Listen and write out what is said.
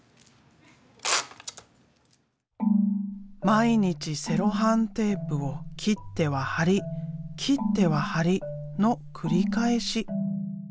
毎日セロハンテープを切っては貼り切っては貼りの繰り返し。